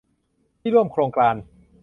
ที่ร่วมโครงการ